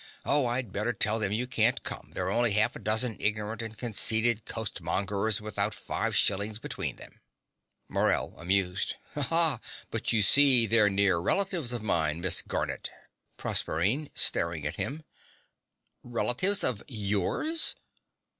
Oh, I'd better tell them you can't come. They're only half a dozen ignorant and conceited costermongers without five shillings between them. MORELL (amused). Ah; but you see they're near relatives of mine, Miss Garnett. PROSERPINE (staring at him). Relatives of YOURS!